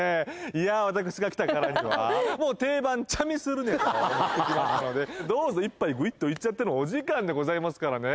いやワタクシが来たからにはもう定番チャミスルネタを持ってきましたのでどうぞ１杯グイッといっちゃってのお時間でございますからね